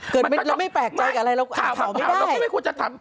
เกิดเป็นไม่ควรถาม